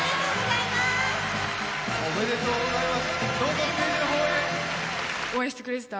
ありがとうございます。